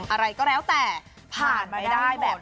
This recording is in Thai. อะไรก็แล้วแต่ผ่านไม่ได้